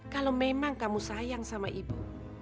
kalau memang kamu sayang sama ibu